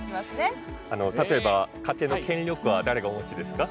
例えば家庭の権力は誰がお持ちですか？